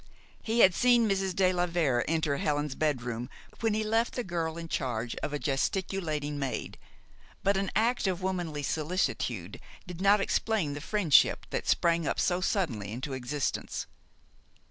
He had seen Mrs. de la Vere enter Helen's bedroom when he left the girl in charge of a gesticulating maid; but an act of womanly solicitude did not explain the friendship that sprang so suddenly into existence.